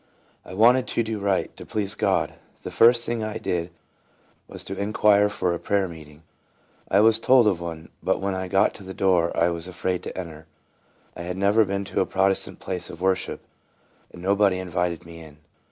I wanted to do right, to please God. The first thing I did was to inquire for a prayer, OUTSIDE. 37 meeting. I was told of one ; but when I got to the door I was afraid to enter. I had never been to a Protestant place of worship, and nobody invited me in.